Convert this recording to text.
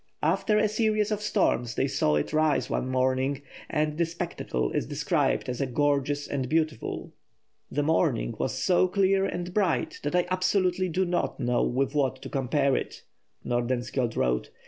After a series of storms they saw it rise one morning, and the spectacle is described as gorgeous and beautiful. "The morning was so clear and bright that I absolutely do not know with what to compare it," Nordenskjold wrote.